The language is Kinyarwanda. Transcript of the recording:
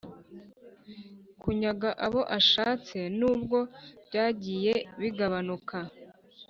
kunyaga abo ashatse n'ubwo byagiye bigabanuka.